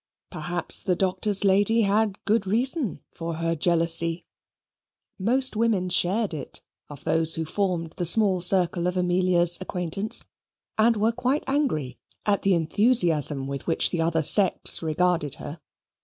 Perhaps the doctor's lady had good reason for her jealousy: most women shared it, of those who formed the small circle of Amelia's acquaintance, and were quite angry at the enthusiasm with which the other sex regarded her.